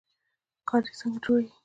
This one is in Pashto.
کاریز څنګه جوړیږي؟